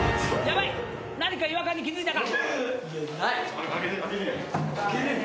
何か違和感に気付いたか！？